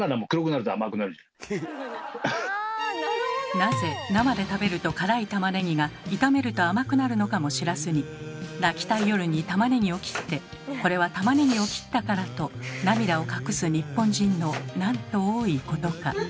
なぜ生で食べると辛いたまねぎが炒めると甘くなるのかも知らずに泣きたい夜にたまねぎを切って「これはたまねぎを切ったから」と涙を隠す日本人のなんと多いことか。